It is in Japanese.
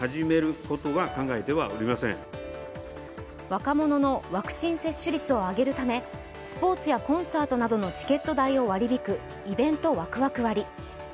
若者のワクチン接種率を上げるためスポーツやコンサートなどのチケット代を割り引くイベントワクワク割。